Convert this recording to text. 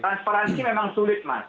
transparansi memang sulit mas